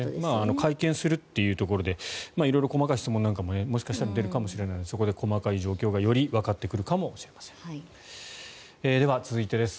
会見するというところで色々細かい質問なんかももしかしたら出るかもしれないのでそれで細かい状況がよりわかってくるかもしれないです。